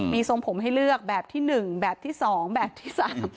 มีทรงผมให้เลือกแบบที่๑แบบที่๒แบบที่๓